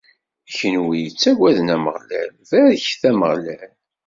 A kunwi yettaggaden Ameɣlal, barket Ameɣlal!